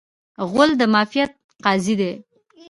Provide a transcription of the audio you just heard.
غول د معافیت قاضي دی.